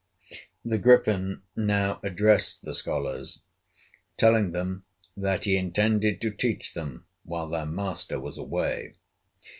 The Griffin now addressed the scholars, telling them that he intended to teach them while their master was away.